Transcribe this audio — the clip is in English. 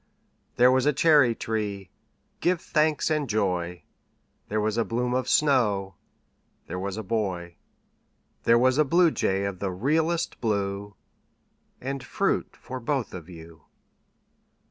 There was a cherry tree, give thanks and joy! There was a bloom of snow There was a boy There was a bluejay of the realest blue And fruit for both of you.